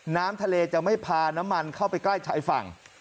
น้ำทะเลจะไม่พาน้ำมันเข้าไปใกล้ชายฝั่ง